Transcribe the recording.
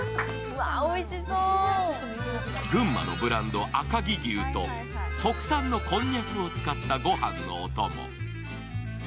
群馬のブランド、赤城牛と特産のこんにゃくを使ったごはんのおとも。